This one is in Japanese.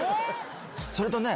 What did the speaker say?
それとね